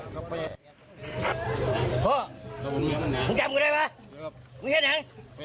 สำรวจก็คุมตัวในโก้ไปนะครับช่วงน้ำมือที่มันกำลังกลับไป